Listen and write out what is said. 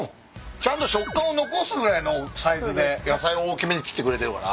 ちゃんと食感を残すぐらいのサイズで野菜を大きめに切ってくれてるから。